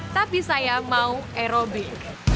tapi saya mau aerobik